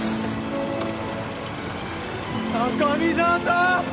高見沢さん！